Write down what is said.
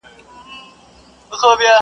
وروڼه له وروڼو څخه بیریږي!